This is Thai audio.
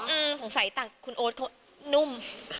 สงสัยต่างคุณโอ๊ตเขานุ่ม